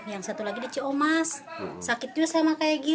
yang satu lagi di ciomas sakit juga sama kayak gini